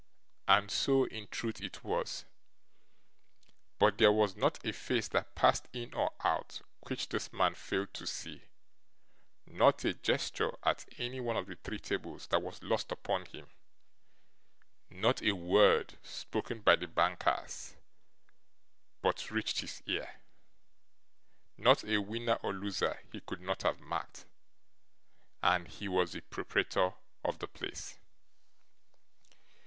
And so, in truth, it was. But there was not a face that passed in or out, which this man failed to see; not a gesture at any one of the three tables that was lost upon him; not a word, spoken by the bankers, but reached his ear; not a winner or loser he could not have marked. And he was the proprietor of the place.